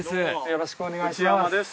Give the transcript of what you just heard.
よろしくお願いします